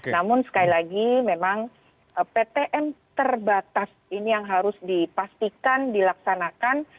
namun sekali lagi memang ptm terbatas ini yang harus dipastikan dilaksanakan